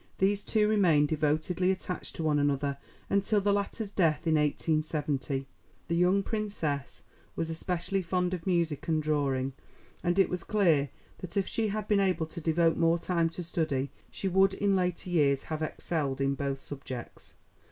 These two remained devotedly attached to one another until the latter's death in 1870. The young Princess was especially fond of music and drawing, and it was clear that if she had been able to devote more time to study she would in later years have excelled in both subjects.